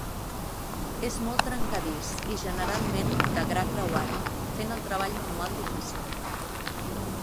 És molt trencadís i generalment de gra creuat, fent el treball manual difícil.